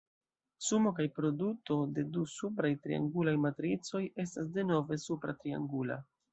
Sumo kaj produto de du supraj triangulaj matricoj estas denove supra triangula.